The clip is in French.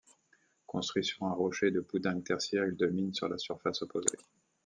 Construit sur un rocher de poudingue tertiaire, il domine de sur la façade opposée.